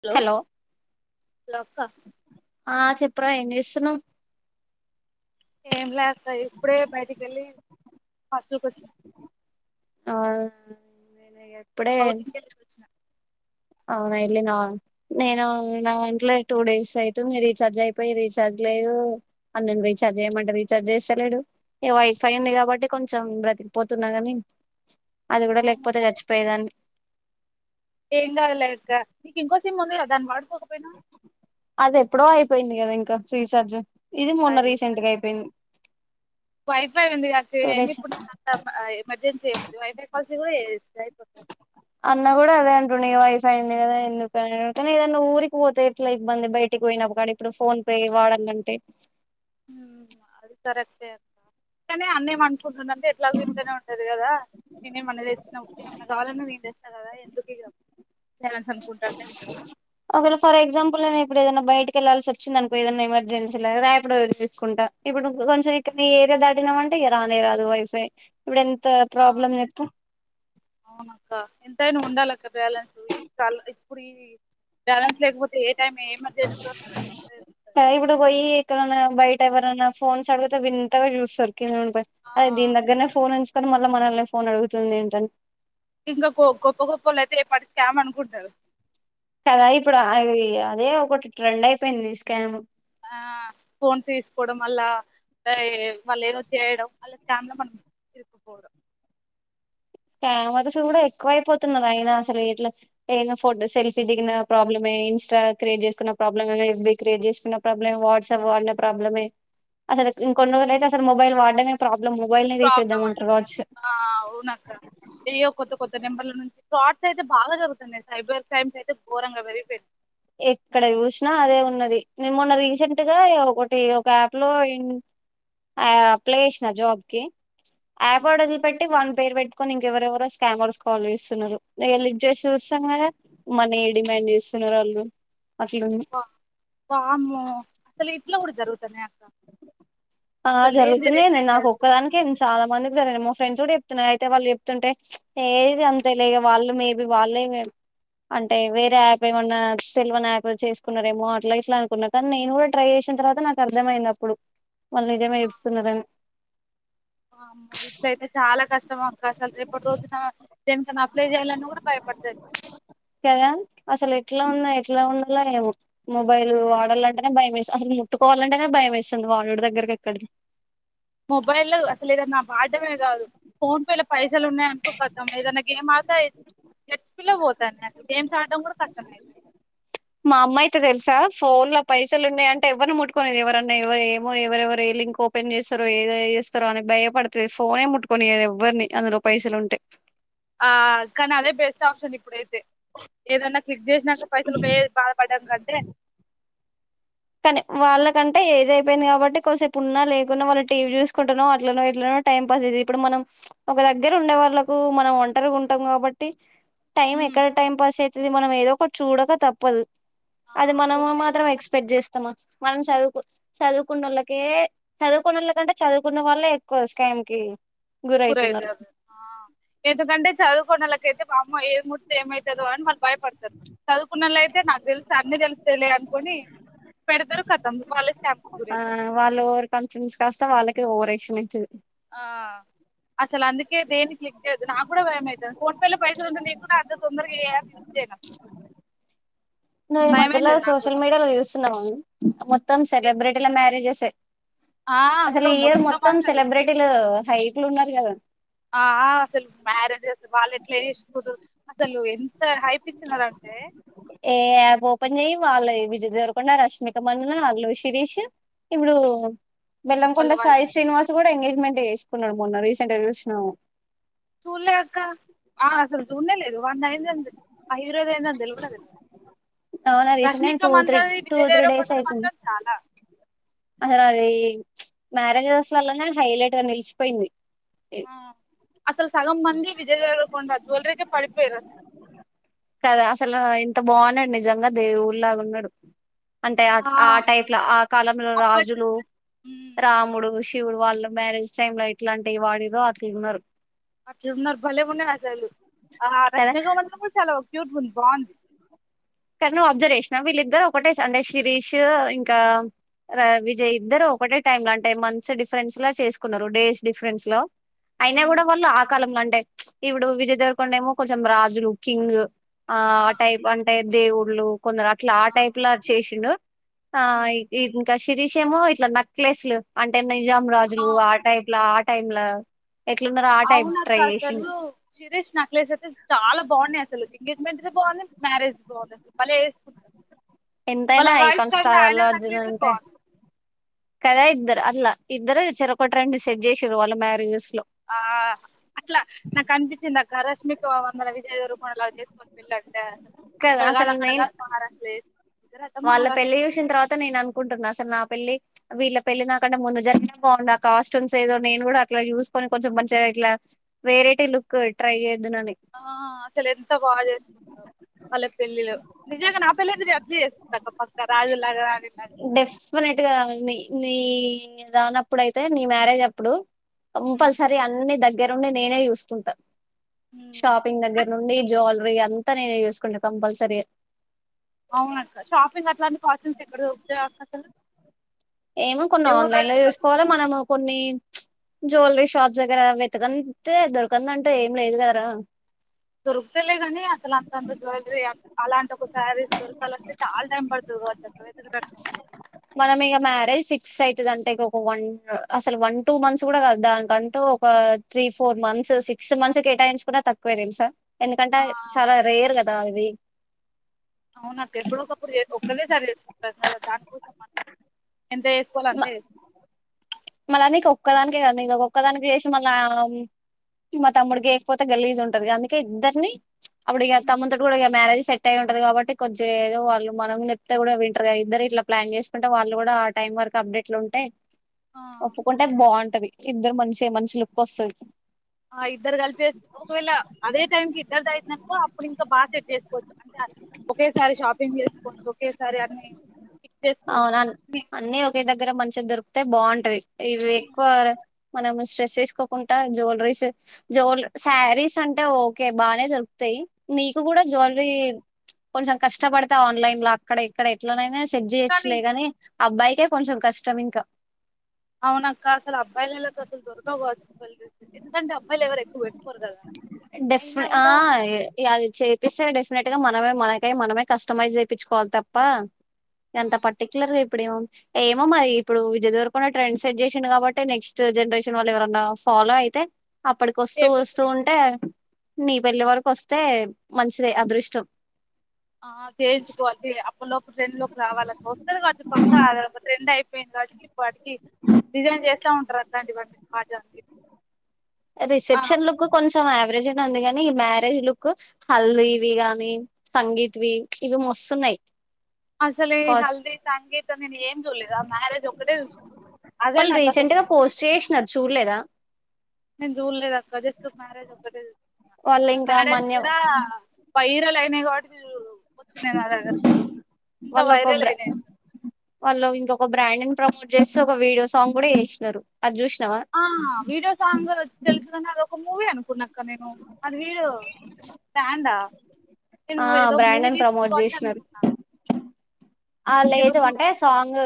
Hello hello అక్క చెప్పు రా ఏం చేస్తున్నావ్ ఏం లే అక్క ఇప్పుడే బయటికి వెళ్ళి హాస్టల్ కి వచ్చిన ఆ ఇప్పుడే అవుటింగ్ తెలిసి వచ్చిన అవునా వెళ్లినవా నేను నా దాంట్ల టూ డేస్ అయితుంది రీచార్జ్ అయిపోయి రీచార్జ్ లేదు అన్నను రీఛార్జ్ చెయ్యమంటే రీఛార్జ్ చేస్తలేడు ఇగ వైఫై ఉంది కాబట్టి కొంచెం బ్రతికిపోతున్నా కాని అది కూడా అవునా లేకపోతే చచ్చిపోయేదాన్ని ఏం కాదులే అక్క నీకు ఇంకో సిమ్ము ఉంది కదా దాన్ని వాడుకోకపోయినా అది ఎప్పుడో అయిపోయింది కదా ఇంకా ఫ్రీచార్జ్ ఇది మొన్న అది రీసెంట్ గా అయిపోయింది వైఫై ఉంది కదక్కా టూ ఏంది డేస్ ఇప్పుడు నీకు అంత ఎమర్జెన్సీ అ వైఫై కాల్సీ కూడా చేసుకో ఇప్పుడు నీ వైఫై ఉంది కదా ఎందుక ఏదన్నా ఊరికి పోతే ఇట్లా ఇబ్బంది బయటికి పోయినప్పుడ ఇప్పుడు ఫోన్ పే పే వాడాలంటే హ అది కరెక్టే అక్క కానీ అన్న ఏమనుకుంటున్నాడు అంటే ఎట్లాగూ ఇంట్లోనే ఉంటది కదా నేనేమన్నా తెచ్చినవ్ ఏమన్న కావాలని నేను తెస్తే కదా ఎందుకు ఇగ అనుకుంటాండేమో అసలు ఫర్ ఎగ్జాంపుల్ నే ఇప్పుడు ఏదైనా బయటకి వెళ్లాల్సి వచ్చింది అనుకో ఏదన్నా ఎమర్జెన్సీలా రేపుడు తీసుకుంట ఇప్పుడు నువ్వు కొంచెం ఇక్కడ ఇగ దాటినమంటే ఇగ రానే రాదు వైఫై ఇప్పుడు ఎంత ఆ ప్రాబ్లం చెప్పు అవునక్క ఎంతైనా ఉండాలి అక్క బ్యాలెన్స్ [unintelligible] బ్యాలెన్స్ లేకపోతే ఏ టైం ఏ ఎమర్జెన్సీ వస్తది ఆ ఇప్పుడు పోయి న్నా బయట ఎవరనా ఫోన్స్ అడిగితే వింతగా చూస్తారు కింది నుండి ఆ పై ఆ. దీని దగ్గరనే ఫోన్ ను ఉంచు కొని మళ్ళీ మనల్ని ఫోన్ అడుగుతుంది ఏంటని ఇంకా గో గొప్ప గొప్పళ అయితే ఏ పార్టీ స్కామ్ అనుకుంటురు కదా ఇప్పుడు అది అదే ఒకటి ట్రెండ్ అయిపోయింది స్కామ్ ఆ ఫోన్స్ తీసుకోవడం వల్ల తాయే వాళ్ళు ఏదో చేయడం వాళ్ల స్కామ్లం అనుకుంటారు ఇకుపోడం కెమెరాస్ కూడా ఎక్కువ అయిపోతున్నారు అయినా అసలు వీట్లో ఏనా ఫోటో సెల్ఫీ దిగిన ప్రాబ్లమ్ ఇన్స్టా క్రియేట్ చేసుకున్న ప్రాబ్లమ్ ఎస్ బి క్రియేట్ చేసుకున్న ప్రాబ్లమే వాట్సాప్ వాడిన ప్రాబ్లమే అసలు ఇంకొన్ని రోజులు అయితే అసలు మొబైల్ వాడడమే ప్రాబ్లమ్ మొబైల్ ప్రాబ్లం తీసేద్దామంటారు వాచ్ డియో కొత్త కొత్త నెంబర్ల నుంచి రాట్స్ అయితే బాగా జరుగుతున్నాయి సైబర్ క్రైమ్స్ అయితే ఘోరంగా పెరిగిపోయింది ఎక్కడ చూసినా అదే ఉన్నది నేను మొన్న రీసెంట్ గా ఒకటి ఒక యాప్ లో ఆయా అప్లై చేసిన జాబ్ కి ఆ, యాప్ ఆర్డర్లు పెట్టి వాన్ పేర్ పెట్టుకుని ఇంకెవరెవరో స్కామర్స్ కాల్ చేస్తున్నారు నేను లిఫ్ట్ చేసి చూస్తే చన్నగా మన ఏ డిమాండ్ చేస్తున్నారు వాళ్ళు అట్లుంది వా వామ్మో అసలు ఇట్లా కూడా జరుగుతనే అంత ఆ జరుగుతున్నా నేను నాకు అసలు ఒక్కదాకే నేను చాలా మందికి జరిగను ఫ్రెండ్స్ కూడా చెప్తున్నారు అయితే వాళ్ళు చెప్తుంటే ఏది అంతే లే వాళ్ళు మేబీ వాళ్ళే అంటే వేరే యాప్ ఏమన్నా సెల్వన్ యాప్ చేసుకున్నారేమో అట్లా ఇట్లా అనుకున్నా కానీ నేను కూడా ట్రై చేను వచ్చిన తర్వాత నాకు అర్థమయింది అప్పుడు మళ్ళు నిజమే ఇస్తున్నారని వామ్మో ఇట్ల అయితే చాలా కష్టం అక్క అసలు రేపటి రోజున దేనికన్నా అప్లై చేయాలని కూడా భయపడుతది కదా అసలు ఎట్లా ఉన్నా ఎట్లా ఉండలో ఏమో మొబైల్ వాడాలంటేనే భయం వేస్తుంది అసలు ముట్టుకోవాలంటేనే భయం వేస్తుంది వాడుడు దగ్గరకి ఎక్కడికి మొబైల్ అసలు ఏదన్నా వాడడమే కాదు ఫోన్ పేలో పైస పైసలు ఉన్నాయ అనుకో కతం ఏదనా గేమ్ ఆతా గచ్చి పిల్ల పోతానే అసలు గేమ్స్ ఆడడం కూడా కష్టమైంది మా అమ్మ అయితే తెల్సా ఫోన్ లో పైసలు ఉన్నాయి అంటే ఎవరిని ముట్కునేది ఎవరన్నా ఎవరు ఏమో ఎవరెవరు ఏ లింక్ ఓపె చేస్తారో ఏద చేస్తారు అని భయపడుతుంది ఫోనే ముట్టుకొనిది ఎవ్వరిని అందులో పైసలు ఉంటే ఆ కానీ అదే బెస్ట్ ఆప్షన్ ఇప్పుడైతే ఏదనా లిఫ్ట్ చేసినాక పైసలు పోయ బాధపడ్డానికంటే కానీ వాళ్ళకంటే ఏజ్ అయిపోయింది కాబట్టి కొసేపు ఉన్నా లేకున్నా వాళ్ళు టీవీ చూసుకుంటునో అట్లనో ఇట్లనో టైం పాస్ అది ఇప్పుడు మనం ఒక దగ్గర ఉండే వాళ్ళలకు మనం ఒంటరిగా ఉంటాం కాబట్టి టైం హ్మ్. ఎక్కడ టైం పాస్ అయితది మనం ఏదో ఒకటి చూడక తప్పదు ఆ! అది మనం ఫోనే మాత్రం ఎక్స్పెక్ట్ చేస్త మనం చదువుకు చదువుకున్న వాళ్ళకే చదువుకోనోళ్ళ కంటే చదువుకున్న వల్ళ ఎక్కువ స్క కి గురవుతున్నారు [unintelligible] అ ఎందుకంటే చదువుకొనోలకైతే పాపం ఏ ఏమవుతుందో అని వాళ్ళు భయపడతారు చదువుకున్నల అయితే నాకు తెలుసు అన్ని తెలుస్తేలే అనుకుని పెడతారు కటతం ఆ వాళ్ళు ఓవర్ కాన్ఫిడెన్స్ కాస్తే వాళ్ళకి ఓవర్ ఎక్షన్ అవుతుది ఆ అసలు అందుకే దేని క్లిక్ చేయెద్దు నా కూడా భయం అయితది ఫోన్పేలో పైసలు ఉంటుంది నేను కూడా అంత తొందరగా ఏ యాప్ యూస్ చేయను నువ్వు ఈ భయం మధ్యలో అవుతుంది నాకు సోషల్ కూడా మీడియా లో చూస్తున్నావా మొత్తం నేను, సెలబ్రిటీల మ్యారేజెస్ ఆ అసలు అక్క ఈ ఇయర్ మొత్తం అసలు సెలబ్రిటీలు హైప్ లో ఉన్నారు కదా ఆ అసలు మ్యారేజెస్ వాళ్ళు ఎట్లా చేసుకునుర్రు అసలు ఎంత హైపచ్చు ఉన్నది [inaudible] ఏ యాప్ ఓపెన్ చెయ్యి వాళ్ళు విజయదేవరకొండ రష్మికమండన అల్లు శిరీష్ ఇప్పుడు వాళ్ళ బెల్లంకొండ వాళ్ళకి సాయి శ్రీనివాస్ కూడా ఎంగేజ్మెంట్ వేసుకున్నాడు మొన్న రీసెంట్గా చూసినాము చూల్లే అక్క ఆ అసలు చున్నేలేదు లేదు వాన్ ది ఐంది అని ఆ హీరో ది ఐంది అని తేల్వనే తెలియలేదు అవునా రీసెంట్ గా Rashmika two three Mandana two three days Vijay Deverakonda the అయితుంది మాత్రం చాలా అసలు అది చ్ మ్యారేజెస్ వల్లనే హైలైట్ గా నిలిచిపోయింది ఆ అసలు సగం మంది విజయదేవరకొండ జ్యువెలరీ కే పడిపోయిర అసలు కదా అసలు ఇంత బాగున్నాడు నిజంగా దేవుడు లాగా ఉన్నాడు అంటే ఆ టైప్ లో ఆ కాలంలో అప్పటి రాజులు ఉమ్ రాముడు శివుడు వాళ్ళు మ్యారేజ్ టైమ్ లో ఇట్లాంటివి వాడిర్రో అట్లా ఉన్నారు అట్లా ఉన్నారు భలే ఉన్నారు అసలు కదా రష్మిక మండన కూడా చాల క్యూట్ గుంది బాగుంది కానీ నువ్వు అబ్జర్వేషిన వీళ్ళిద్దరు ఒకటే సండే శిరీష్ ఇంకా విజయ్ ఇద్దరు ఒకటే టైమ్ లో అంటే మంత్స్ డిఫరెన్స్ లా చేసుకున్నారు డేస్ డిఫరెన్స్ లో అయినా కూడా ఉమ్ వాళ్ళు ఆ కాలంలో అంటే చ్ ఇప్పుడు విజయదేవరకొండ ఏమో కొంచెం రాజులు కింగ్ ఆ ఆ టైప్ అంటే దేవుళ్ళు కొందరు అట్లా ఆ టైప్ లా చేసిండు ఆ ఉమ్ ఇంకా అల్లు శిరీష్ ఏమో ఇట్లా నక్లెస్ లు అంటే నిజాం రాజులు ఆ టైప్ లో ఆ టైం లో అవునక్క అసలు శిరేష్ నక్లేష్ అయితే చాలా బాగున్నాయి అసలు ఎంగేజ్మెంట్ బాగుంది మ్యారేజ్ బాగుంది అసలు పలే వేసుకున్నారు ఎంతైనా icon star Allu Arjun necklace a అంటే బాగుంది కథా ఇద్దరు అట్లా ఇద్దరు చెరకుటి ట్రెండ్ సెట్ చేసారు వాళ్ళ మ్యారేజ్ ఆ అట్లా నాకు అనిపించింది రష్మకమండన విజయ దేవర అలా చేసుకోని పెళ్ళి అంటే అసలు కదా ఇక్కడ కాదు అసలు అక్కడ నేను కాదు మహారాష్ట్ర కుదరదా వాళ్ళ పెళ్లి చూసిన తర్వాత నేను అనుకుంటున్నా అసలు నా పెళ్ళి వీళ్ళ పెళ్ళినాకంటే ముందు జరిగిన బాగుండు కాస్ట్యూమ్స్ ఏదో నేను కూడా అట్లా చూసుకొని కొంచెం మంచిగా ఇట్లా వెరైటీ లుక్ ట్రై చే ఆ అసలేంత బాగా చేసుకున్నారో వాళ్ళ పెళ్ళిళ్ళు నిజంగా నా పెళ్లింక అట్ చేసుకుంటక్క ఫస్ట్ రాజుల్లాగ రాణిల్లాగ డెఫినెట్ గా నీ నీ దానప్పుడయితే నీ మ్యారేజప్పుడు కంపల్సరీ అన్ని దగ్ దగ్గరుండి నేనే చూసుకుంటా షాపింగ్ దగ్గర్ నుండి జ్యువెలరీ అంతా నేనే చూసుకుంటా కంపల్సరీగా అవునక్క షాపింగ్ అట్లాంటి కాస్ట్యూమ్స్ ఎక్కడ దొరుకుతాయ్ అక్క అసలు ఏమో కొన్ని ఏ ఊర్లో ఆన్లైన్ లో తిరగాలి చూసుకోవాలే మనము కొన్ని. ప్చ్ జ్యువెలరీ షాప్స్ దగ్గర వెతకంతే దొరకందంటు ఏం లేదు గదారా. దొరుకుతయిలే గాని. అసలు అంతంత జ్యవెలరీ, అలాంటి ఒక శారీస్ దొరకాలంటే చాలా టైం పడ్తది. వాట్సాప్ వెతికితే దోరకనీ ఒక మంచి మనం ఇగ మ్యారేజ్ ఫిక్స్ అయితది అంటే. ఇంక్కోక ఒక వన్ అసలు వన్ టూ మంత్స్ గూడా గాదు. దానికంటూ ఒక three four months six months కేటాయించుకున్నా తక్కువే తెల్సా. ఎందుకంటే ఆ చాలా రేర్ కదా ఇవి అవునక్క ఎప్పుడో ఒకప్పుడు చే ఒక్కలేసారి చేసుకుంటాం కదా దానికోసం మనం ఎంత చేసుకోవాలో అంతేచేస్ మళ్ళ నీకు ఒక్కదానికే గద్నే. ఇగ ఒక్కదానికి చేసి మళ్ళా. మా తమ్ముడికి ఏయకపోతే గలీజ్ ఉంటది. అందుకే ఇద్దర్ని అప్పుడు. ఇగ హ్మ్. తమ్మున్ తోని గూడా మ్యారేజ్ సేట్ టై ఉంటది కాబట్టి. కొంచెం ఏదో వాళ్ళు మనం నేప్తే గూడా వింటారుగా ఇద్దరు ఇట్లా ప్లాన్ చేసుకుంటే. వాళ్ళు కూడా ఆ టైం వర్ వర్క్ అప్డేట్ ల ఉంటే ఆ ఒప్పుకుంటే బావుంటది. ఇద్దరు మంచిగా మంచి లుక్ వస్తది. ఆ ఇద్దరు కలిపేసు ఒకవేళ అదే టైంకి ఇద్దరిదైందనుకో. అప్పుడు ఇంకా బాగా సేట్ చేసుకోవచ్చు. అంటే ఒకేసారి షాపింగ్ చేసుకోవచ్చు. ఒకేసారి అన్ని పిక్ చేసుకోవచ్చు అవునాన్ ని- అన్నీ ఒకే దగ్గర మంచిగా దొరుకుతే బావుంటది. ఇవి ఎక్కువ ఉమ్. మనం స్ట్రెస్ తీసుకోకుంటా. జ్యుల్రీస్ జ్యూల్ శారీస్ అంటే ఓకే బానే దొరుకుతయ్ యి నీకు కూడా జ్యుల్రీ. ప్చ్ కొంచెం కష్టపడతే ఆన్లైన్ ల అక్కడ ఇక్కడ ఎట్లనైనా స్ ట్ కానీ జెయ్యొచ్చులేగాని. అబ్బాయికే కొంచెం కష్టం ఇంకా. అవునక్క అసలు అబ్బాయిలలకు అసలు దొరకవ్ కావచ్చు. జుల్రిస్ ఎందుకంటే అబ్బాయిల్ ఎవరు ఎక్కువ పెట్టుకోరు గద. డెఫ్ ఆ ఏ ఇగ అది చేపిస్తనే డెఫినెట్ గా మన్ నమే మనకై మనమే కస్టమైజ్ చెపిచ్చుకోవాల్ తప్ప. ఎంత ఉమ్, పర్టిక్యులర్గా ఇప్ ప్పుడేమో ఏమో మరి ఇప్పుడు విజయదెవరకొండ ట్రెండ్ సెట్ చేసిండు కాబట్టి. నెక్స్ట్ జనరేషన్ వాళ్ళెవరన్నా ఫా ఫాలో అయితే అప్పటికొస్తూ వస్తూ చేపిస్తారు ఉంటే. నీ పెళ్లి వరకోస్తే మంచిదే అదృష్టం. ఆ చేయించుకోవాలి చీ అప్పట్లోపు ట్రెండ్ లోకి రావాల వస్తది కావచ్చు. పక్క అదొక ట్రెండ్ అయిప్ పోయిన్ గాబట్టికి. ఇపాటికి డిజైన్ చేస్తా ఉంటారట్లాంటివన్నీ ఆ రిసెప్షన్ లుక్ కొంచెం యావరేజ్గ్నే ఉంది గన్ ని మ్యారేజ్ లుక్. హల్దీవి గాని. సంగీత్ వి ఇవి మోస్తున్నాయ్. అసలు ఈ హల్ది సాంగీత్ ఆన్ నేన్ ఏం చూల్లేరా మ్యారేజ్ ఒక్కటే చూసిన. అదేనాకస్సల్ వీల్ లేదా నేన్ జూల్లేద్ అక్క జస్ట్ మ్యారేజ్ ఒక్కటే చూసిన. వాళ్ళు ఆ ఇంకా మ్యారేజ్ మన్య గూడా వైరల్ అయినయ్ కాబట్టి ధియురూ వాళ్ళోక వైరల్ బ్రా అయినాయి వాల్లో ఇంకొక బ్రాండేన్ ప్రమోట్ చేస్తు ఒక వీడియో సాంగ్ గూడా చేష్నరు. ఆ వీడియో సాంగ్ తెలుసుగని. అది ఒక మూవీ అనుకున్న. కన్ నేను అది వీడియో బ్రాండ నేను ఆ ఏదో బ్రాండ్ మూవీ అని తీస్తుర్రు ప్రమోట్ గావచ్చు. చేసినారు అనుకున్నా ఆ ఏదో లేదు మూవీ అంటే సాంగ్.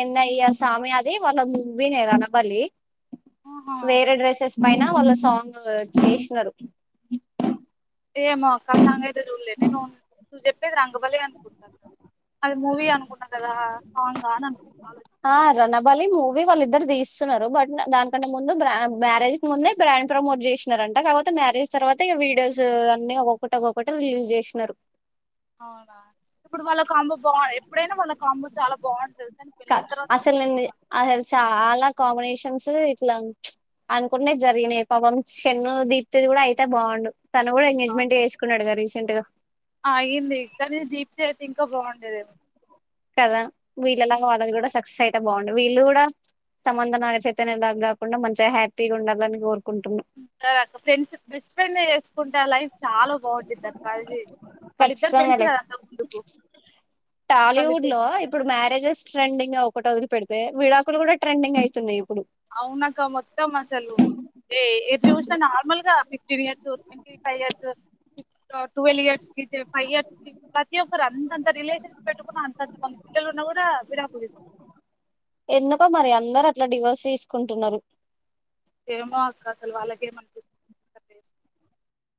ఎందయ సామి అద్ ది వాళ్ళ మువ్వినే రనబలి వేరే డ్రెస్సెస్ బైన వాళ్ళ సాంగ్ చేష్నారు. ఏమోక్క ఆ సాంగయితే చూలే నేను నువ్వు చెప్పేది. రంగబలే అనుకుంటాన్నా. అది మూవీ అనుకున్న గదా. సాంగా అని అనుకు ఆలోచి వాళ్ళీ ఈ మూవీ వాళ్ళిద్దరు తీస్తున్నారు. బట్ ద దానికంటే ముందు. బ్రాన్ మ్యారేజ్ కి ముందే బ్రాండ్ ప్రమోట్ చేస్నార్ రంట కాపోతే మ్యారేజ్ తర్వాత ఇగ వీడియోస్, అన్ని ఒక్కొక్కటి, ఒక్కొక్కటి రిలీజ్ చేస్నారు. అవునా ఇప్పుడు వాళ్ళ కాంబో బావ్, ఎప్పుడైనా వాళ్ళ కాంబో చాలా బావుంటది. కా అస్సలిండి అహాలు చాలా కాంబినేషన్సు ఇట్లా ప్చ్ అనుకుంట్నే జరిగినాయి. పాపం షన్ను, దీప్తిది గూడా అయితే బావుండు. తను గూడా ఎంగేజ్మెంట్ చేసుకున్నాడుగా. రీసెంట్ గా ఆయింది కానీ దీప్తి ఐతే ఇంకా బాగుండేదేమో కదా వీళ్ళలాగా ఉమ్, వాళ్ళది కూడా స క్స్ అయితే బాగుండు వీళ్ళు కూడా సమంత నాగ చైతన్య లాగ కాకుండా మంచిగా హ్యాపీగా ఉండాలని కోరుకు కదక్కా ఫ్రెండ్స్ బెస్ట్ ఫ్రెండ్నే చేసుకుంటే ఆ లైఫ్ చాలా బాగుండిదక్క అది వాళ్ళిద్దరు ఫ్రెండ్స్ ఖచ్చితంగాలే కదా అంతకముందుకు టాలీవుడ్ లో ఇప్పుడు మ్యారేజెస్ ట్రెండింగా ఒకటి వదిలి పెడితే విడాకులు కూడా ట్రెండింగ్ ఐతున్నై అవునక్క మొత్తం అసలు ఏ ఏది చూసిన నార్మల్గా fifteen years twenty five years ఫిఫ్ ఆ టువెల్ ఇయర్స్ కి తే ఫైవ్ ఇయర్స్ కి ప్రతి ఒక్కరు అంతంత రిలేషన్స్ పెట్టుకున్న అంతంత మంది పిల్లలు ఉన్నా కూడా ఆ విడాకులు తీ ఎందుకో మరి అందరూ అట్లా డివోర్స్ తీసుకుంటున్నారు ఏమో అక్క అసలు వాళ్ళకేమనిపిస్తు